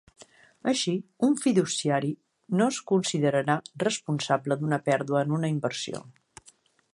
Així, un fiduciari no es considerarà responsable d'una pèrdua en una inversió.